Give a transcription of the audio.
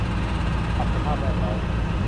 ปรับสภาพแวดล้อม